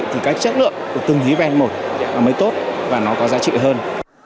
các bạn có thể nhận được tương lý brand một mà mới tốt và nó có giá trị hơn